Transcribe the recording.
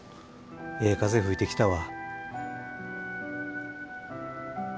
ええ風吹いてきたわ。